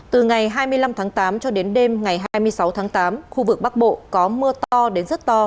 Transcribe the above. từ ngày hai mươi năm tháng tám cho đến đêm ngày hai mươi sáu tháng tám khu vực bắc bộ có mưa to đến rất to